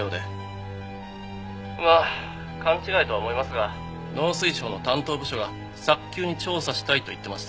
「まあ勘違いとは思いますが農水省の担当部署が早急に調査したいと言ってました」